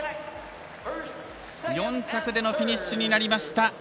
４着でのフィニッシュになりました。